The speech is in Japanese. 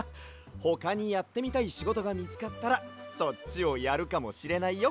ほかにやってみたいしごとがみつかったらそっちをやるかもしれないよ。